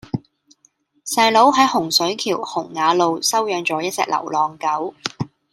細佬喺洪水橋洪雅路收養左一隻流浪狗